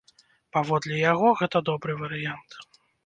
Паводле яго, гэта добры варыянт.